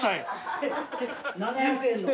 ⁉７００円の。